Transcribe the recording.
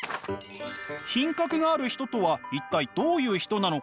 品格がある人とは一体どういう人なのか？